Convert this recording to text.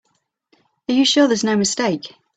Are you sure there's no mistake?